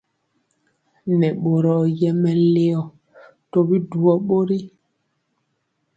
Nɛ boro yɛ melio tɔbi dujɔ bori.